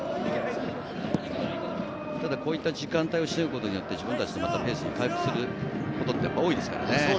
こういった時間帯を知ることによって、自分達のペースに回復することも多いですからね。